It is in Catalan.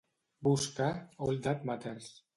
Busca "All That Matters".